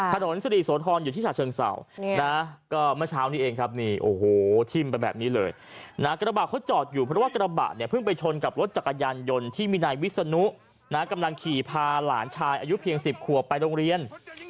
ถนนสิริโสธรอยู่ที่ฉะเชิงเศร้านะก็เมื่อเช้านี้เองครับนี่โอ้โหทิ้มไปแบบนี้เลยนะกระบะเขาจอดอยู่เพราะว่ากระบะเนี่ยเพิ่งไปชนกับรถจักรยานยนต์ที่มีนายวิศนุนะกำลังขี่พาหลานชายอายุเพียง๑๐ขวบไปโรงเรียน